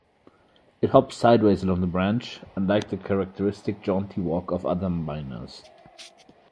It hops sideways along the branch, unlike the characteristic jaunty walk of other mynas.